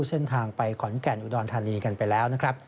เส้นทางไปขอนแก่นอุดรธานีกันไปแล้วนะครับ